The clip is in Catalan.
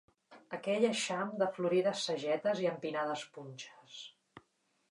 Aquell aixam de florides sagetes i empinades punxes